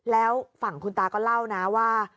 แล้วฝั่งคุณตาก็เล่านะว่า